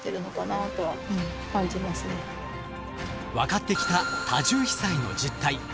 分かってきた「多重被災」の実態。